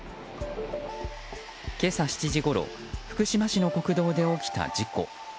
今朝７時ごろ福島市の国道で起きた事故。